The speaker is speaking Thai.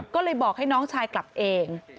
ก็เลยบอกให้น้องชายกลับเอง